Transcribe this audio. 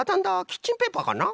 キッチンペーパーかな？